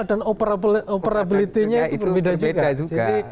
ya beda kompatibilitasnya dan operabilitasnya itu beda juga